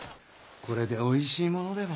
これでおいしいものでも。